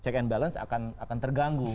check and balance akan terganggu